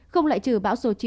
không lại trừ bão số chín